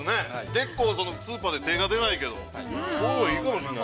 結構、スーパーで手が出ないけどいいかもしれない。